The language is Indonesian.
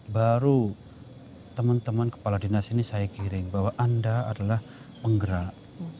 baru teman teman kepala dinas ini saya kirim bahwa anda adalah penggerak